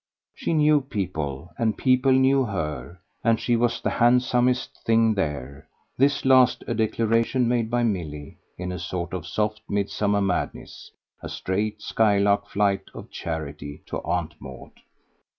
She knew people, and people knew her, and she was the handsomest thing there this last a declaration made by Milly, in a sort of soft midsummer madness, a straight skylark flight of charity, to Aunt Maud.